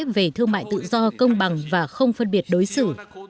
và tự do công bằng và không phân biệt đối xử